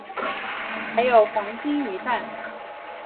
还有黄金鱼蛋